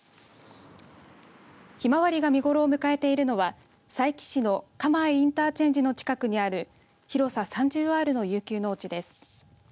ひまわりが見頃を迎えているのは佐伯市の蒲江インターチェンジの近くにある広さ３０アールの遊休農地です。